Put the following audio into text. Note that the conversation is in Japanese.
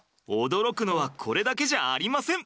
驚くのはこれだけじゃありません。